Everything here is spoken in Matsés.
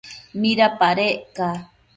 ¿midapadec ca?